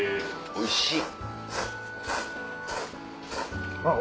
おいしい。